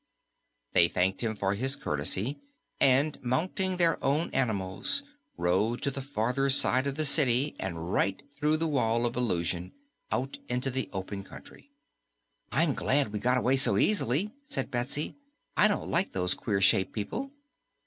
They thanked him for his courtesy, and mounting their own animals rode to the farther side of the city and right through the Wall of Illusion out into the open country. "I'm glad we got away so easily," said Betsy. "I didn't like those queer shaped people."